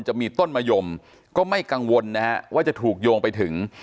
จะมีต้นมะยมก็ไม่กังวลนะฮะว่าจะถูกโยงไปถึง